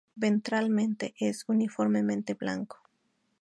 Ventralmente, es uniformemente blanco.